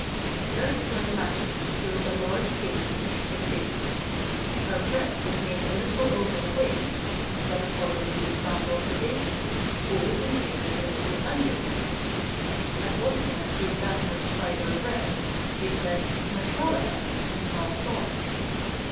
A very slight matter secured a large patronage to the bakery. Our bread was made a little over weight, in stead of following the example of the bakers, who always make it a little under weight. As often as the examiners tried our bread, they said "Mashallah!" and passed on.